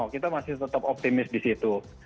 kita masih tetap optimis di situ